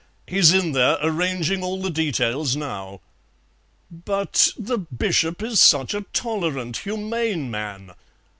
He's in there arranging all the details now." "But the Bishop is such a tolerant, humane man."